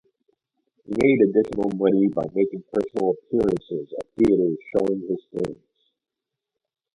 He made additional money by making personal appearances at theaters showing his films.